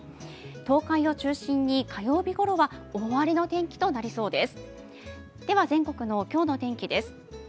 東海を中心に火曜日ごろは大荒れの天気となりそうです。